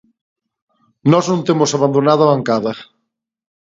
Nós non temos abandonado a bancada.